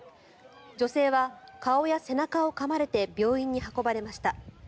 女性は顔や背中をかまれて病院に運ばれました。